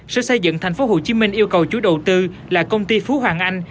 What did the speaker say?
sở xây dựng tp hcm yêu cầu chủ đầu tư là công ty phú hoàng anh